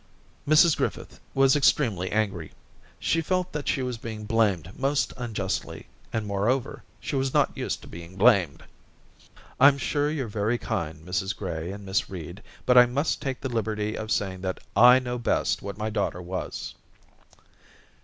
Mrs Griffith was ex tremely angry ; she felt that she was being blamed most unjustly, and, moreover, she was not used to being blamed. * I'm sure you're very kind, Mrs Gray and Miss Reed, but I must take the liberty of saying that I know best what my daughter was.'